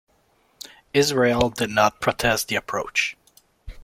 Israel did not protest the approach.